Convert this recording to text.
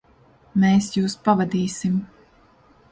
Mēs jūs pavadīsim.